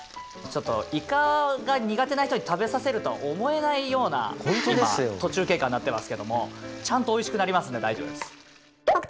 ちょっとイカが苦手な人に食べさせるとは思えないような今途中経過になってますけどもちゃんとおいしくなりますんで大丈夫です。